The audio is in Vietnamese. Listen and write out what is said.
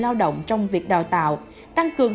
lao động trong việc đào tạo tăng cường